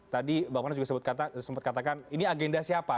tadi bang mana juga sempat katakan ini agenda siapa